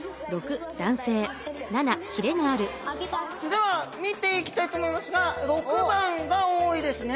では見ていきたいと思いますが６番が多いですね